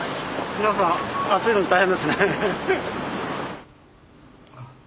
皆さん暑いのに大変ですね。